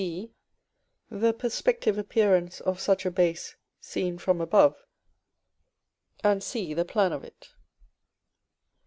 b, the perspective appearance of such a base seen from above; and c, the plan of it.